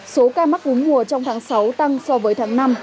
số ca mắc cúm mùa trong tháng sáu tăng so với tháng năm